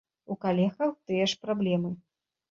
У калегаў тыя ж праблемы.